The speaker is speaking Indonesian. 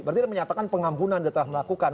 berarti dia menyatakan pengampunan yang telah dilakukan